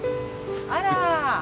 あら。